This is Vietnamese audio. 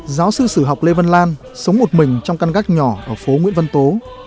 giáo sư sử học lê vân lan sống một mình trong căn gác nhỏ ở phố nguyễn vân tố